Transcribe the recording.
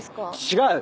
違う！